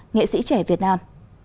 nghệ sĩ trẻ việt nam